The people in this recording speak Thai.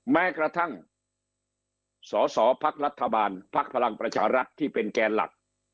แม้กระทั่งสอสอพักรัฐบาลภักดิ์พลังประชารัฐที่เป็นแกนหลัก